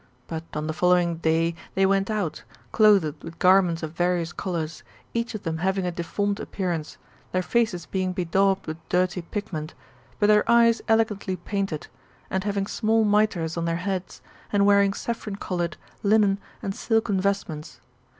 But on the following day they went out, clothed with garments of various colours, each of them having a deformed appearance; their £ices being bedaubed with dirty pigment, but their eyes el^antly painted, and having small mitres on their heads, and wearing saffron coloured linen, and silken vestments.